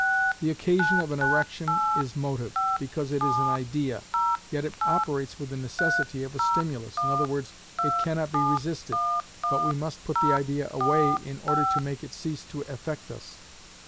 The occasion of an erection is a motive, because it is an idea, yet it operates with the necessity of a stimulus, i.e., it cannot be resisted, but we must put the idea away in order to make it cease to affect us.